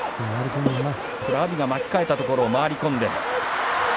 阿炎が巻き替えたところを回り込んで。